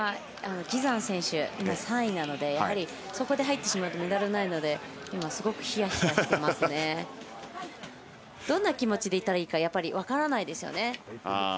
ギザン選手が今、３位なのでやはり、そこで入るとメダルがないので今、すごくひやひやしていますね。どんな気持ちでいたらいいか分からないですよね。